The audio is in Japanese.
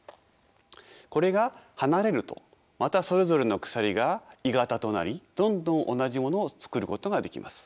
これが離れるとまたそれぞれの鎖が鋳型となりどんどん同じものを作ることができます。